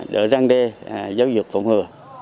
để răng đê giáo dục phòng hừa